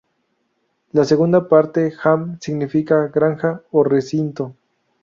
La segunda parte, "ham", significa granja o recinto.